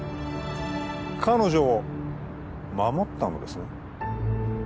彼女を守ったのですね？